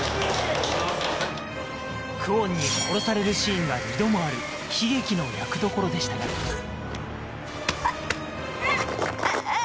久遠に殺されるシーンが２度もある悲劇の役どころでしたがああぁ。